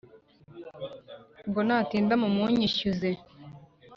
ngo natinda mumunyishyuze